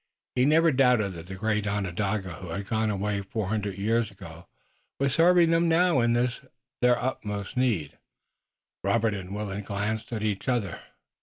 He never doubted that the great Onondaga who had gone away four hundred years ago was serving them now in this, their utmost, need. Robert and Willet glanced at each other.